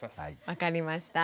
分かりました。